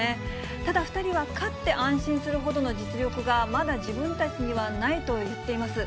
ただ、２人は勝って安心するほどの実力がまだ自分たちにはないと言っています。